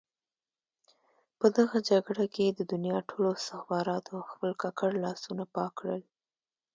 په دغه جګړه کې د دنیا ټولو استخباراتو خپل ککړ لاسونه پاک کړل.